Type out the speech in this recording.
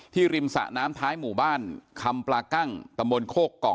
ริมสะน้ำท้ายหมู่บ้านคำปลากั้งตำบลโคกเกาะ